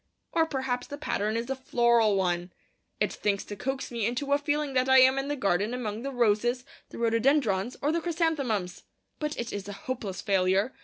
Or perhaps the pattern is a floral one. It thinks to coax me into a feeling that I am in the garden among the roses, the rhododendrons, or the chrysanthemums. But it is a hopeless failure.